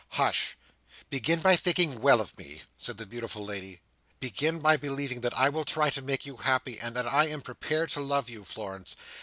"Hush! Begin by thinking well of me," said the beautiful lady. "Begin by believing that I will try to make you happy, and that I am prepared to love you, Florence.